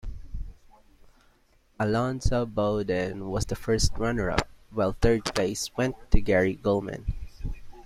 Alonzo Bodden was the first runner-up, while third place went to Gary Gulman.